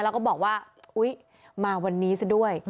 แล้วก็บอกว่าอุ๊ยมาวันนี้ซะด้วย